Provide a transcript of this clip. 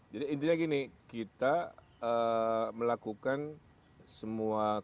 jadi intinya gini kita melakukan semua kemampuan